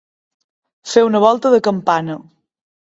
Fer una volta de campana.